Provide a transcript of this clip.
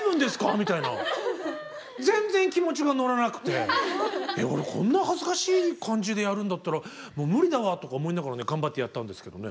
みたいな全然気持ちが乗らなくて俺こんな恥ずかしい感じでやるんだったらもう無理だわとか思いながらね頑張ってやったんですけどね